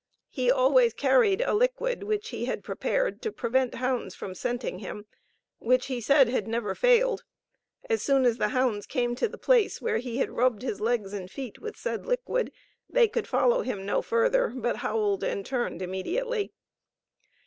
He always carried a liquid, which he had prepared, to prevent hounds from scenting him, which he said had never failed. As soon as the hounds came to the place where he had rubbed his legs and feet with said liquid, they could follow him no further, but howled and turned immediately.